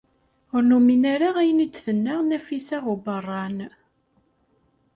Ur numin ara ayen i d-tenna Nafisa n Ubeṛṛan.